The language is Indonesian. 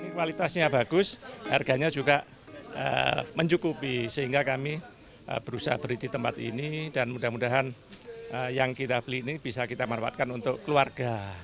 kualitasnya bagus harganya juga mencukupi sehingga kami berusaha berhenti tempat ini dan mudah mudahan yang kita beli ini bisa kita manfaatkan untuk keluarga